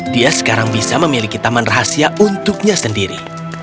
dia sekarang bisa memiliki taman rahasia untuknya sendiri